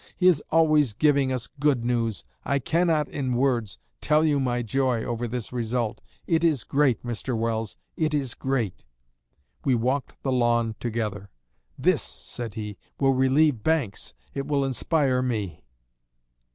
He is always giving us good news. I cannot, in words, tell you my joy over this result. It is great, Mr. Welles, it is great!' ... We walked the lawn together. 'This,' said he, 'will relieve Banks. It will inspire me.'"